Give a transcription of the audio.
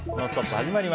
「ノンストップ！」